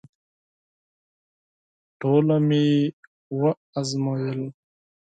ټوله مي وازمایل …